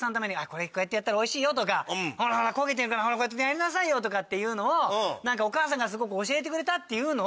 「これこうやってやったらおいしいよ」とか「焦げてるからやりなさいよ」とかっていうのをお母さんがすごく教えてくれたっていうのを。